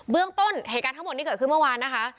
เรื่องต้นเหตุการณ์ทั้งหมดนี้เกิดขึ้นเมื่อวานนะคะ